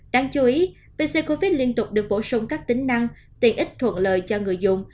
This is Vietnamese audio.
đáng chú ý pc covid liên tục được bổ sung các tính năng tiện ích thuận lợi cho người dùng